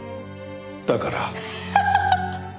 だから。